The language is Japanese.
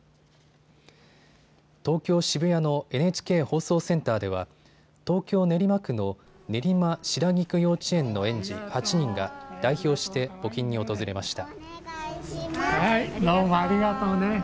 東京渋谷のＮＨＫ放送センターでは東京練馬区の練馬白菊幼稚園の園児８人が代表して募金に訪れました。